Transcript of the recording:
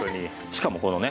しかもこのね